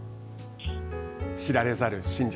知られざる真実。